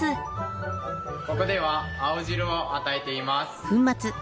ここでは青汁を与えています。